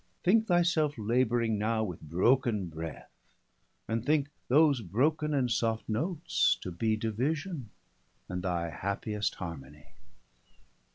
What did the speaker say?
Thinke thy selfe labouring now with broken breath, 90 And thinke those broken and soft Notes to bee Division, and thy happyest Harmonie.